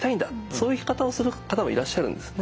そういう生き方をする方もいらっしゃるんですね。